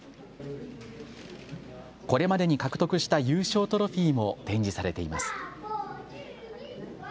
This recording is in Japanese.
これまでに獲得した優勝トロフィーも展示されています。